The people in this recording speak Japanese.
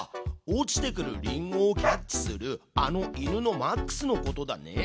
落ちてくるリンゴをキャッチするあの犬のマックスのことだね？